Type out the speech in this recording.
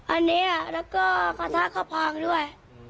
อันนี้แล้วก็กระทะข้าวพองด้วย